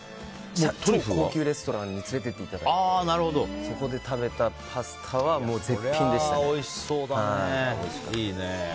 超高級レストランに連れて行っていただいてそこで食べたパスタはそれはおいしそうだね。